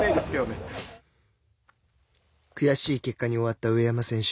悔しい結果に終わった上山選手。